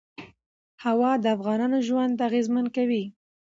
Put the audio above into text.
هوا د افغانانو ژوند اغېزمن کوي.